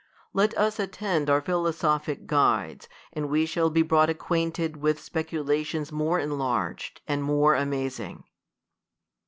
Let us attend our philosophic guides, and we shall be brought acquainted with spec ulations more enlarged, and more am.azing.